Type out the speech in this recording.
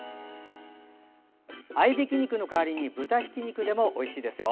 合いびき肉の代わりに豚ひき肉でもおいしいですよ。